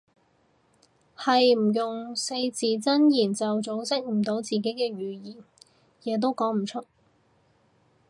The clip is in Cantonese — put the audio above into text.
係唔用四字真言就組織唔到自己嘅語言，嘢都講唔出